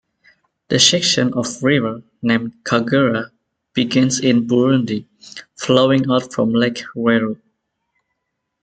The section of river named Kagera begins in Burundi, flowing out from Lake Rweru.